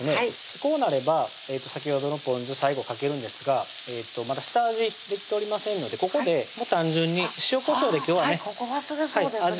こうなれば先ほどのぽん酢最後かけるんですがまだ下味できておりませんのでここで単純に塩・こしょうで今日はねここ忘れそうですね